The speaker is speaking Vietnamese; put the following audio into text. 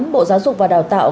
bộ giáo dục và đào tạo